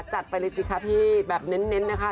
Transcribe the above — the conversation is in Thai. จัดไปเลยสิคะพี่แบบเน้นนะคะ